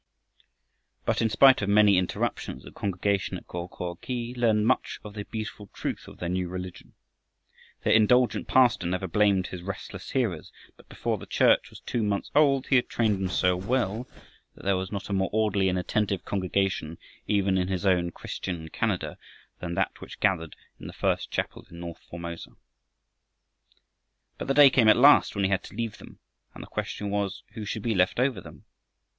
But, in spite of many interruptions, the congregation at Go ko khi learned much of the beautiful truth of their new religion. Their indulgent pastor never blamed his restless hearers, but before the church was two months old he had trained them so well that there was not a more orderly and attentive congregation even in his own Christian Canada than that which gathered in the first chapel in north Formosa. But the day came at last when he had to leave them, and the question was who should be left over them.